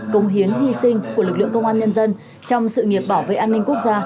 công hiến hy sinh của lực lượng công an nhân dân trong sự nghiệp bảo vệ an ninh quốc gia